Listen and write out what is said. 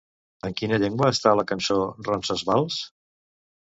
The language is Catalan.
En quina llengua està la cançó Ronsasvals?